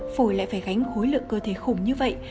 phổi lại phải gánh khối lượng cơ thể khủng như vậy